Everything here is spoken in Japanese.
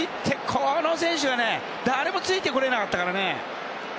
この選手にね誰もついてこれなかったからね。